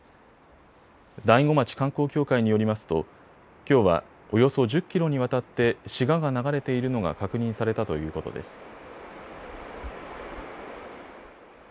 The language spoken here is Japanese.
大子町観光協会によりますときょうはおよそ１０キロにわたってシガが流れているのが確認されたということです。